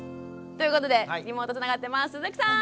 ということでリモートつながってます鈴木さん。